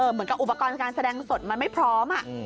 เหมือนกับอุปกรณ์การแสดงสดมันไม่พร้อม